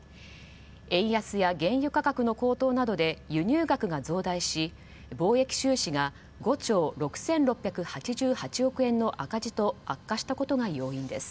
円安や原油価格の高騰などで輸入額が増大し、貿易収支が５兆６６８８億円の赤字と悪化したことが要因です。